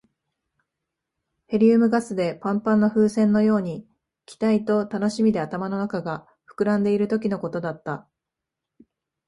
ヘリウムガスでパンパンの風船のように、期待と楽しみで頭の中が膨らんでいるときのことだった。